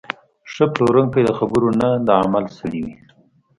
ښه پلورونکی د خبرو نه، د عمل سړی وي.